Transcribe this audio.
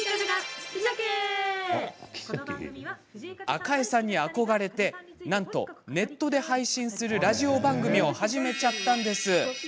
赤江さんに憧れてなんとネットで配信するラジオ番組を始めちゃったんです。